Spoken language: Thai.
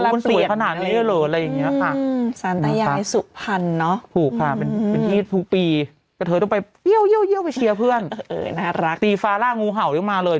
วะละเปลี่ยนเป็นคนสวยขนาดนี้เลย